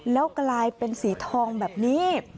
แล้วกลายเป็นสีทองแบบนี้